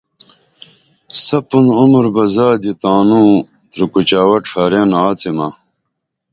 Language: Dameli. سپُن عمر بہ زادی تانوں تروکچاوہ ڇھارین آڅیمہ